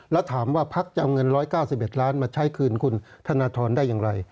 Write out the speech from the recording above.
แล้วถามว่าพักจะเอาเงิน๑๙๑ล้านมาใช้คืนคุณธนทรได้อย่างไร